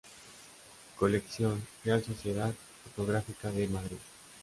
Colección Real Sociedad Fotográfica de Madrid.